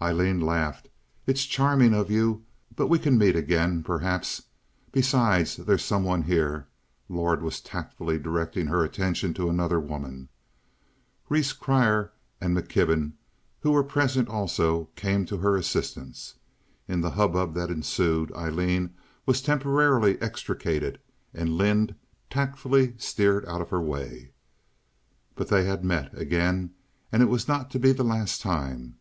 Aileen laughed. "It's charming of you, but we can meet again, perhaps. Besides, there's some one here"—Lord was tactfully directing her attention to another woman. Rhees Grier and McKibben, who were present also, came to her assistance. In the hubbub that ensued Aileen was temporarily extricated and Lynde tactfully steered out of her way. But they had met again, and it was not to be the last time.